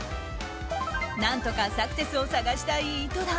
何とかサクセスを探したい井戸田。